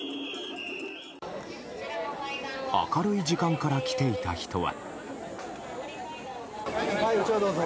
明るい時間から来ていた人は。